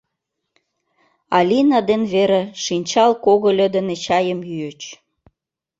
Алина ден Вера шинчал когыльо дене чайым йӱыч.